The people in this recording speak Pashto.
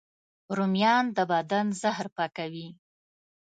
رومیان د بدن زهر پاکوي